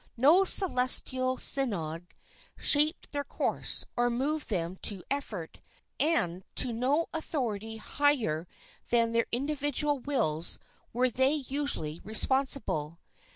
No celestial synod shaped their course or moved them to effort, and to no authority higher than their individual wills were they usually responsible.